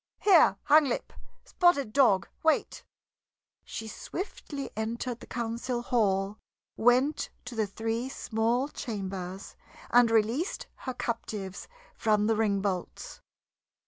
"Here, Hanglip, Spotted Dog, wait!" She swiftly entered the council hall, went to the three small chambers, and released her captives from the ring bolts.